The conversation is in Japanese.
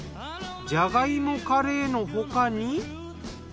じゃが芋カレーの他に。